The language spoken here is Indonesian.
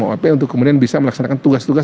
o p untuk kemudian bisa melaksanakan tugas tugas